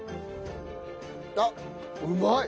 あっうまい！